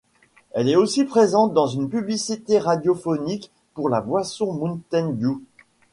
Elle est aussi présente dans une publicité radiophonique pour la boisson Mountain Dew.